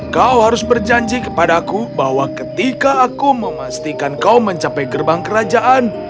kau harus berjanji kepadaku bahwa ketika aku memastikan kau mencapai gerbang kerajaan